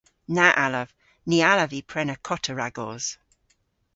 Na allav. Ny allav vy prena kota ragos.